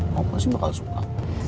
mama pasti bakal suka